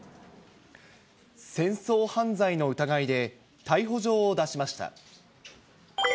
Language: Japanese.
戦争犯罪の疑いで、逮捕状を出しました。